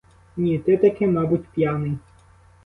Ні, ти таки, мабуть, п'яний!